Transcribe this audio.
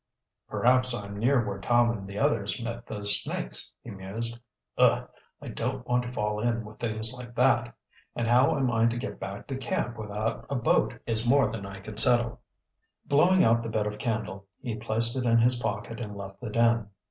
"Perhaps I'm near where Tom and the others met those snakes," he mused. "Ugh! I don't want to fall in with things like that. And how I am to get back to camp without a boat is more than I can settle." Blowing out the bit of candle, he placed it in his pocket and left the den.